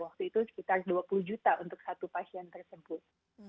waktu itu sekitar dua puluh juta untuk satu pasien tersebut